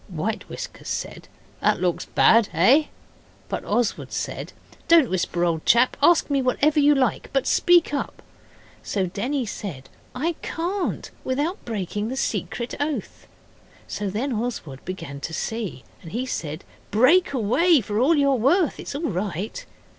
White Whiskers said, 'That looks bad eh?' But Oswald said, 'Don't whisper, old chap. Ask me whatever you like, but speak up.' So Denny said, 'I can't without breaking the secret oath.' So then Oswald began to see, and he said, 'Break away for all you're worth, it's all right.